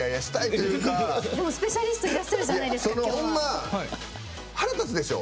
でもスペシャリストいるじゃないですか。